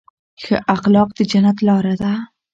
ښه اخلاق د جنت لاره ده.